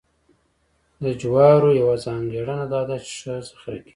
د جوارو یوه ځانګړنه دا ده چې ښه ذخیره کېږي.